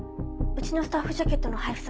うちのスタッフジャケットの配布